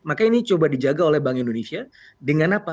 makanya ini coba dijaga oleh bank indonesia dengan apa